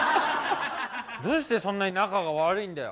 どうしてそんなに仲が悪いんだよ？